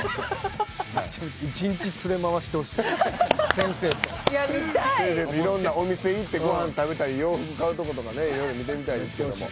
先生といろんなお店行ってごはん食べたり洋服買うとことかねいろいろ見てみたいですけども。